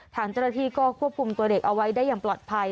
ทางเจ้าหน้าที่ก็ควบคุมตัวเด็กเอาไว้ได้อย่างปลอดภัย